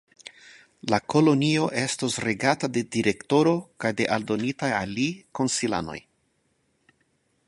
La kolonio estos regata de direktoro kaj de aldonitaj al li konsilanoj.